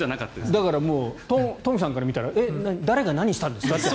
だからトンフィさんから見たら誰が何したんですかって。